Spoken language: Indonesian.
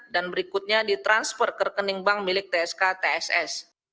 dan berikutnya ditransfer ke rekening bank milik tsk tss